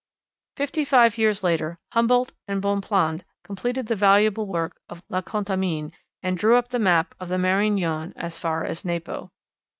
Fifty five years later Humboldt and Bonpland completed the valuable work of La Condamine, and drew up the map of the Manañon as far as Napo.